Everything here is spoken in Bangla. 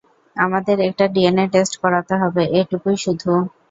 আমাদের একটা ডিএনএ টেস্ট করাতে হবে, এটুকুই শুধু।